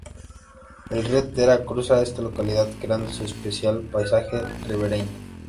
El río Tera cruza esta localidad, creando su especial paisaje ribereño.